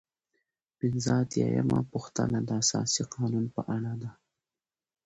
پنځه اتیا یمه پوښتنه د اساسي قانون په اړه ده.